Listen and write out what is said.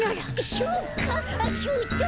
「しゅんかしゅうとう」